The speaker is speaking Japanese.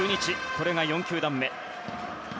これが４球団目。